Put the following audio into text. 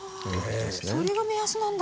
それが目安なんだ。